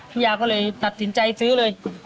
ยาก็เลยตัดสินใจซื้อเลย